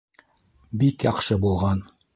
Бик яҡшы булған.